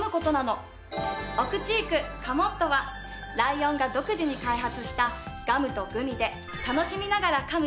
「おくち育噛もっと！」はライオンが独自に開発したガムとグミで楽しみながら噛む